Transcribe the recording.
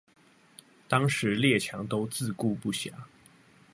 當時列強都自顧不暇